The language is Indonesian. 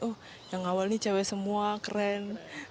oh yang awal ini cewek semua keren